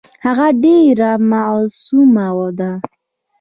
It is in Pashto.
هغه ډېره معصومه ده .